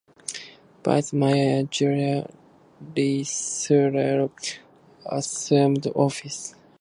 Vice Mayor Julier Resuello assumed office.